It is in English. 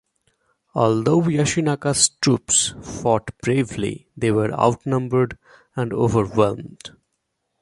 Although Yoshinaka's troops fought bravely, they were outnumbered and overwhelmed.